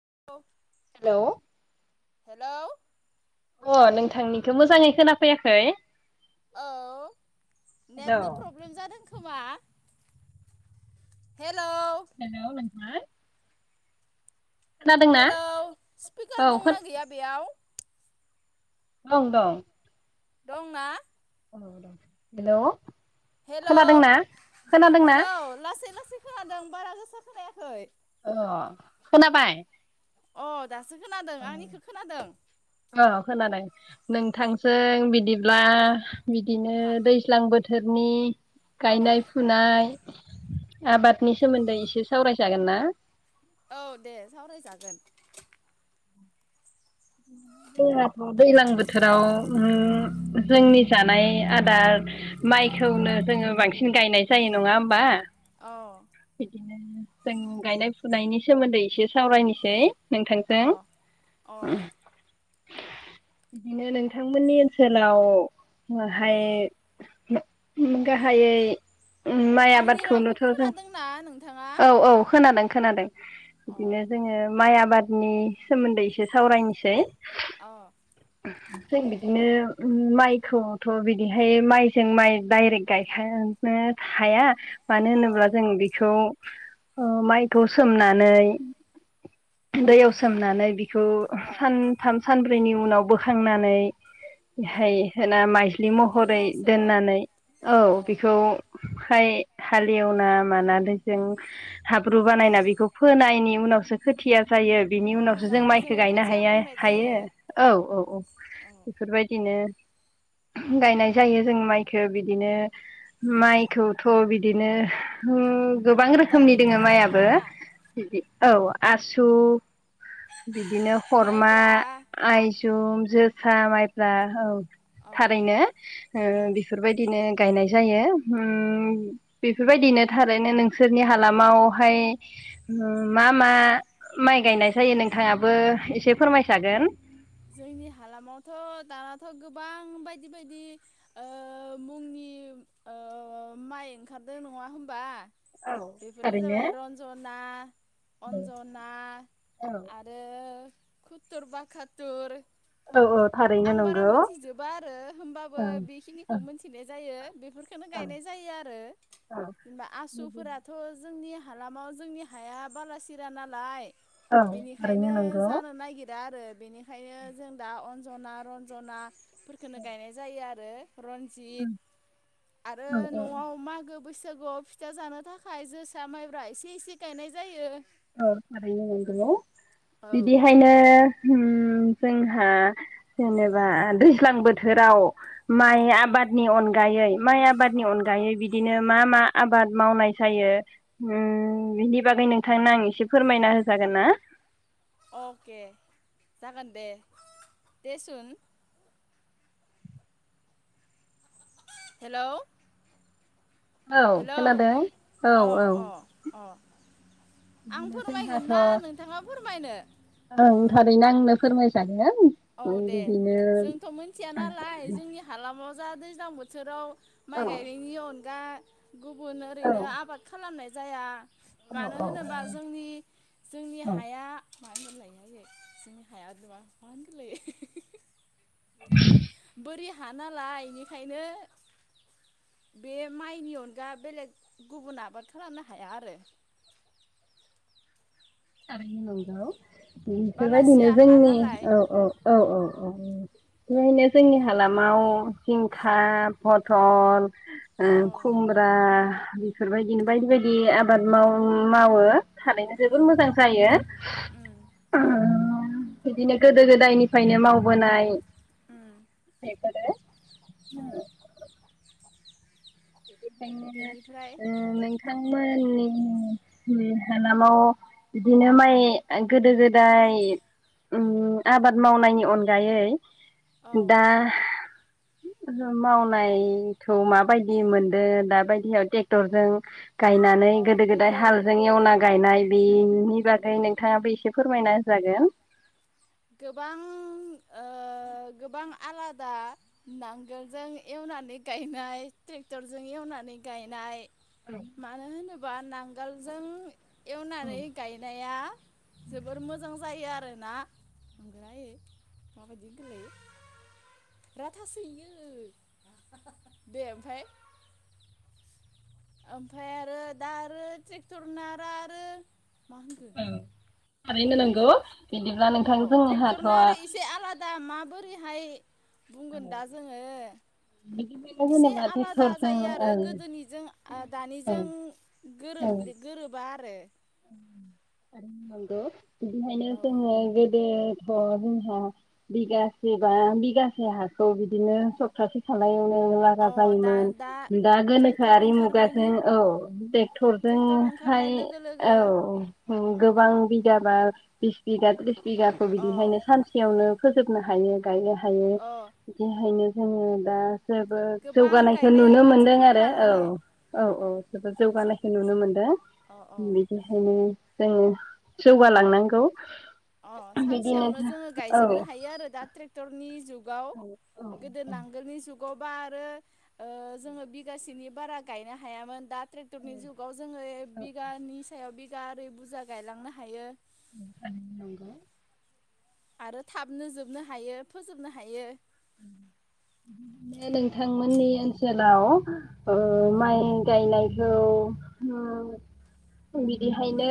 [inaudible] Hello hello अ' नोंथांनिखौ मोजाङै खोना फैयाखै। औ नेटनि प्रब्लेम जादों खोमा। हेलौ हेलौ नोंथां खोनादोंना हेलौ स्पिकार औ दंना गैया बेयाव? ओं दं दं ना? हेल' हेल' हेल' लासै लासै एसे खोनादों बारा गोसा खोनायाखै। अ खोनाबाय? अ। दासो खोनादों आंनिखौ खोनादों? खोनानाय नोंथांजों बिदिब्ला बिदिनो मा दैज्लां बो थोरनि औ गायनाय फुनाय आबादनि सोमोन्दै एसे सावरायजागोन ना? औ दे सावरायजागोन। जोंहाथ' दैलां बोथोराव जोंनि जानाय आदार माइखौनो ओ जोङो बांसि सिन गायनाय जायो नङा होमबा। अ। जों गायनाय फुनायनि सोमोन्दै एसे सावरायनिसै। अ नोंथांजों। अ बिदिनो नोंथांमोननि ओनसोलाव [unintelligible] गाहायै। माइ आंनि रावखौ आबादखौनोथ' जों खोनादोंना नों औ औ खोनादों खोनादों अ बिदिनो जोङो माइ आबाद। नि सोमोन्दै एसे सावरायनिसै। अ जों बिदिनो। ओ माइखौथ' बिदिहाय माइजों माइ डाइरेक्ट गायखानो हाया मानो अ होनोब्ला जों बेखौ। ओ माइखौ सोमनानै। उम दैयाव सोमनानै बिखौ अ सानथाम सान बेनि उनाव बोखांनानै। अ बेहाय होना माइज्लि बेनि महरै उनावसो दोननानै औ अ बेखौ। हाय हालेवना मानादो। जों हाब्रु बानायना बेखौ फोनायनि उनावसो खोथिया। जायो बिनि अ उनावसो जों जायखौ माइखौ जोङो गायनो खोथिया हाया बुंनाय जायो हायो औ औ औ औ बेफोरबायदिनो गायनाय जायो जों माइखो बिदिनो माइखौथ बिदिनो ओम गोबां रोखोमनि डाइरेक्ट दोङो गायखानो माइयाबो हाया बिदि औ आसु बिदिनो खरमा, माइब्रा आइजुं जोसा माइफ्रा औ औ थारैनो ओ उम बेफोरबायदिनो गायनाय जायो ओम बेफोरबायदिनो थारैनो नों सोरनि हालामावहाय ओ मा मा माइ गायनाय जायो नोंथाङाबो एसे फोरमायजागोन जोंनि हालामावथ दानाथ गोबां बायदि बायदि ओ मुंनि ओ माइ ओंखारदों नङा होनबा? औ बेफोरनो थारैनो जाबाय रन्जना औ अन्जना आरो [inaudible] दुर औ औ [inaudible] थारैनो आं बारा नंगौ मोनथिजोबा आरो होमबाबो ओं बेखिनिखौ ओं मोनथिनाय जायो बेफोरखौननो ओं गायनाय जायो आरो ओं जेनेबा आसुफोराथ जोंनि हालामाव जोंनि हाया बाला सिरा नालाय औ थारैनो बेनिखायनो नंगौ जानो औ नागिरा आरो बेनो ओंखानो जों दा अन्जना रन्जना फोरखोनो गायनाय जायो आरो [inaudible] रनजित आरो औ नआव मा गो- बैसागुआव फिथा जानो थाखाय जोसा माइब्रा एसे एसे गायनाय जायो औ थारैनो नंगौ औ बिदिहायनो ओम जोंहा जेनेबा दैज्लां बोथोराव अ माइ आबादनि अनगा अनगायै माइ आबादनि अ अनगायै बिदि बिदिनो मा मा आबाद मावनाय जायो बिनि बागै नोंथां थांनो आं एसे फोरमायना होजागोन ना अके जागोन दे देसुन हेल औ हेलौ खोनादों औ अ औ अ अ आं बिदिनो फोरमायगोन जोंहाथ' ना नोंथाङा फोरमायनो ओं थारैनो आंनो फोरमायजायो औ दे जोंथ मिथिया नालाय जोंनि हालामाव दा दैज्लां बोथोराव औ माइ गायनायनि अनगा गुबुन औ ओरैनो आबाद खालामनायज जाया। औ मानो औ होनोबा औ जोंनि जोंनि औ हाया। [unintelligible] [unintelligible] बोरैहा हा नालाय इेनिखायनो बे माइनि अनगा बेलेग गुबुन आबाद खालामनो हाया आरो। थाबैनो नोंगौ। बिफोरबायदिनो बालासिया हा जोंनि नालाय ओ ओ ओ ओ ओ। नुनोमोननाय जोंनि हालामााव हिंखाा फथल। अ उम खुमब्रा। बेफोरबायदिनो बायदि बायदि आबाद मावन मावो थारैनो उम जोबोद मोज जायो। उम बिदिनो गोदो गोदायनिफायनो मावबोनाय। उम। बेफोरो उम। बेखायनो बेनिफ्राय ओ नोंथांमोननि नि हालामाव बिदिनो माइ गोदो गोदाय उम आबाद मावनायनि अनगायै औ दा मावनायखौ माबायदि मोनद दो‌ दाबायदियाव टेक्टरजों गायनानै गोदो गोदाय हालजों एवना गायनाय बेनि बागै नोंथाङाबो एसे फोरमायना जागोन। गोबां ओ गोबां आलादा नांगोलजों एवनानै गायनाय ट्रेक्टरजों एवनानै गायनाय। मानो होनोबा नांग गोलजों एवनानै गायनाया जोबोर मोजां जायो आरोना [unintelligible] [unintelligible] ओमफाय आरो दा आरो‌ ट्रेकथरना रारो। [unintelligible] थारैनो नंगौ बिदिब्ला नोंथां जोंहाथ' ओरैहाय बुंगोन दा जोङो बिदिनो एसे होनोबा आलादा ट्रेक्टरजों जायो आरो ओं गोदोनिजों ओं दानिजों गोरोबलि गोरोबा आरो नांगौ बिनिखायनो औ जोङो गोदो जोंहा बिगासे बा बिगासे हाखौ बिदिनो सप्तासे खालायावनो लागा अ दा जायोमोन दा ट्रेक्टर गोनोखोआरि ओंखारनायनि मुगाजों औ ट्रेक्टर ओंखारनाय ट्रेक्टरजोंहाय लोगो लोगो औ औ गोबां बि बिगाबा बिस बिगा त्रिस बिगा बिघाखौ अ बिदिहायनो खानसेयावनो फोजोबनो हायो। गायनो हायो। अ बिदिहायनो जोङो दा जोबोद गोबां जौगानायखो गायनाय नुनो मोनदों रुवाथिफोर आरो औ लानानै औ औ जोबोद जौगानायखो नुनो मोनदों। अ अ बेखायनो जोङो जौगालांनांगौ। अह बिदिनो सानसेयावनो जोङो औ गायजोबनो हायो आरो दा ट्रेक्टरनि जुग जुगाव औ गोदो नांगोलनि जुग गबा आरो ओ जोङो बिगासेनि बारा गायनो हायामोन दा ट्रेक्टरनि जुगाव जोङो एक बिगानि सायाव बि गारै बुजा गायलांनो हायो। नंगौ। आरो थाबनो जोबनो हायो, फोजोबनो हायो। जे नोंथांमोननि ओनसोलाव ओ अ माइ गायनाय औ उम बिदिहायनो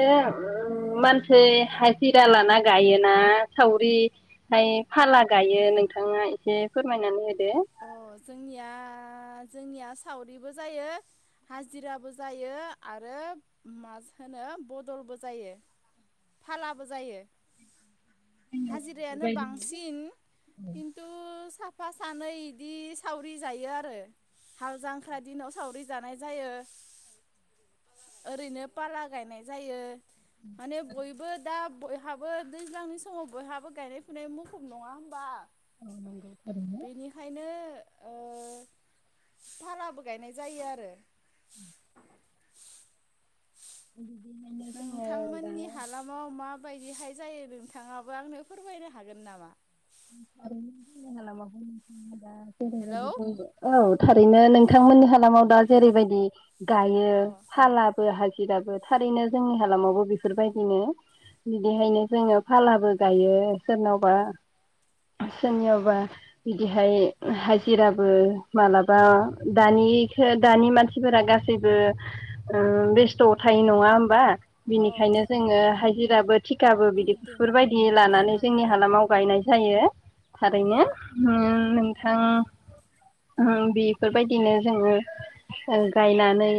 मानसै हाजिरा लाना गायोना सावरि फ्राय फाला गायो नोंथाङा बेेसे फोरमायनानै होदो अह जोंनिया आ जोंनिया सावरिबो जायो, हाजिराबो जायो आरो मा होनो बदलबो जायो, फालाबो जायो। हाजिरायानो बेबायदिनो बांसिन। खिन्थु साफ साफा सानै बिदि सावरि जायो आरो हाल जांख्रा दिनाव सावरि जानाय जायो, ओरैनो पाला गायनाय जायो, माने बयबो दा बयहाबो दैज्लांनि समाव बयहाबो गायनाय फुनाय मुखुब, नङा होमबा? औ नंगौ थारैनो। [unintelligible] ओ फालाबो गायनाय जायो आरो। [inaudible] [inaudible] जोङो दा नोंथांमोननि हालामाव मा माबायदिहाय जायो नोंथाङाबो आंनो फोरमायनो हागोन नामा? [unintelligible] हेलौ [unintelligible] औ। थारैनो नोंथांमोननि हालामाव दा जेरैबायदि गायो अ फालाबो हा गिराबो थारैनो जोंनि हालामावबो बेफोरबायदिनो बिदिहायनो जोङो फालाबो गायो, सोरनावबा सोरनियावबा बिदिहाय हाजिराबो मालाबा दानि दानि मानसिफोरा गासैबो बेस्थ' थायो नङा होमबा? अ बिनिखायनो जोङो हाजिराबो थिखाबो बिदि आंनो दै माबा बेफोरबायदि दै लानानै माबाना जोंनि होनाय न' हालामाव लिरनो गायनाय जायो थारैनो ओम नोंथां ओम बेफोरबायदिनो जोङो ओ गायनानै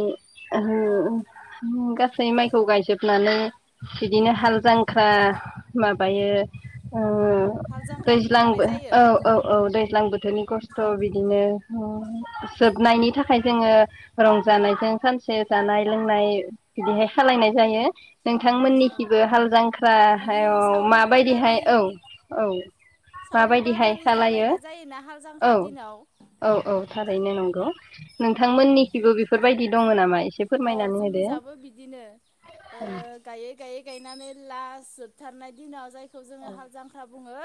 ओहो अ गासै माइखौ गायजोबनानै बिदिनो हाल जां ख्रा माब ओमफ्रायो ओं हाल जांख्रा दिखांनाय दैज्लांबो जायो औ औ औ दैज्लां बोथोरनि खस थ' बिदिनो ओं जोबनायनि थाखाय जोङो रंजानायजों सानसे जानाय लोंनाय बिदिहाय खालायनाय जायो। औ नोंथांमोननिखिबो हाल जांख्रा बिदि हायाव सावरि माबायदिहाय बादालि औ औ। सावरि माबायदिहाय बादालि खालायो जालायनाय जायोना हाल औ जांख्रा दिनाव औ औ थारैनो नंगौ नोंथांमोननिखिबो बेफोरबायदि दङ नामाय अ जोंनि जाबो बिदिनो ओ गायै गायै गायनानै लास जोब थारनाय दिनाव जाय खौ जोङो हाल जांख्रा बुङो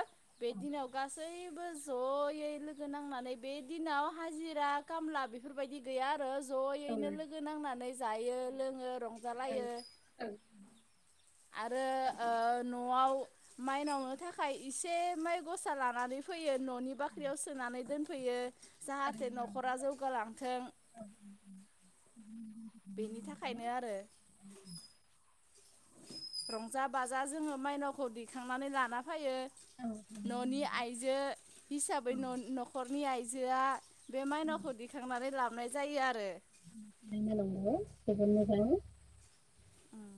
बे दिनाव गास सैबो ज'यै लोगो नांनानै बे दिनाव हाजिरा खामला बेफोरबायदि गैया आरो ज'यैनो लोगो नांनानै नै जायो लोङो रं जालायो। आरो ओ न न'आव माइनावनो थाखाय इसे माइ गसा लानानै फैयो न'नि बाख्रियाव सोनानै दोनफैयो। जाहाथे न'खरा जौगालांथों बेनि थाखायनो आरो। रंजा बाजा जोङो मायनावखौ दैखांनानै लाना फायो। न'नि आइजो हिसाबै न' न'खर नि आइजोआ बे माइनावखौ दिखांनानै लाब नाय जायो आरो। थारैनो नंगौ जोबोद मोजां। ओं।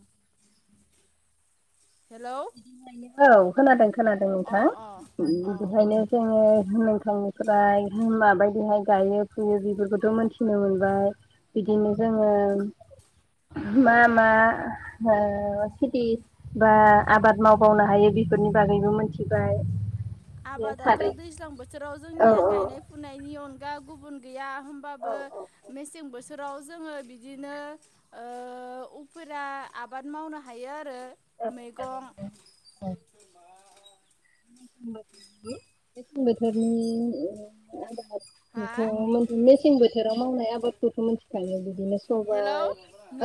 बिदिखायनो औ। खोनादों। खोनादों अ नोंथां अ अ बिदिहायनो जोंङो नोंथांनिफ्राय माबायदि बेहाय गायो फुयो बेफोरखौथ मोनथिनो मोनबाय बिदिनो जोंङो मा मा ओ खेथि बा आबाद मावबावनो हायो बेफोरनि बागैबो मोनथिबाय आबादाथ थारै दैज्लां बोथोराव औ जोंनिया गायनाय फुनायनि अनगा गुबुन गैया औ होमबाबो औ मेसें बो बोथोराव जोंङो बिदिनो ओ उफेरा आबाद मावनो हायो आरो औ थारैनो मैगं [unintelligible] बेसेंम बोथोरनि आ हा बे मेसें बोथोराव मावनाय आबादखौथ मिथिखायो बिदिनो हेलौ सबाइ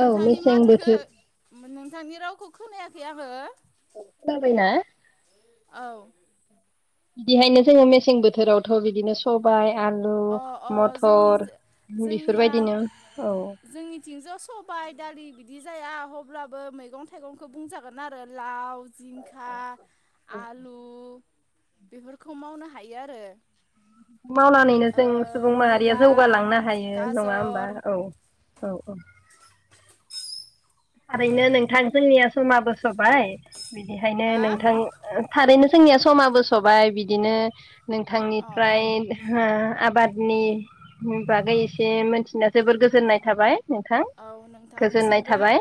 औ मेसें माथोखो बोथोर थैयाबो खोना बायना औ बिदिहायनो जोंङो मेसें बोथोरावथ' बिदिनो सबाय अ अ जोंनि जोंनिया बेफोरबायदिनो औ जोंनिथिंजा सबाय दालि बिदि जाया अब्लाबो मैगं थाइगंखौ बुंजागोन आरो लाव जिंखा आलु बेफोरखौ मावनो हायो आरो मावनानै ओ जों सुबुं माहारिया मुला जौगालांनो हायो नंङा होमबा गाजर औ औ औ थारैनो नोंथां जोंनिया जमाबो सबाय बिनिखायनो हा नोंथां थारैनो जोंनिया समाबो सबाय बिदिनो अ नोंथांनिफ्राय आ- आबादनि बागै एसे मोनथिना जोबोर गोजोननाय थाबाय नोंथां गोजोननाय थाबाय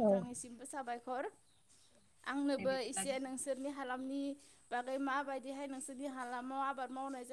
औ निसिमबो साबायखर आंनोबो एसे नोंसोरनि हालामनि बागै माबायदिहाय नोंसोरनि हालामाव आबाद मावनाय जायो